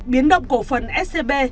biến động cổ phần scb